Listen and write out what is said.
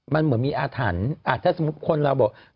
มันเหมือนมีอาถรรพ์ถ้าสมมุติคนเราบอก